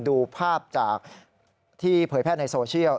ดูภาพจากที่เผยแพร่ในโซเชียล